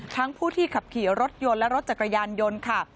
ผู้ที่ขับขี่รถยนต์และรถจักรยานยนต์ค่ะ